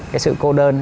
cái sự cô đơn